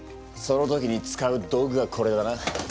その時に使う道具がこれだな。